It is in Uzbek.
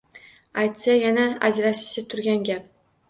Aytsa yana ajrashishi turgan gap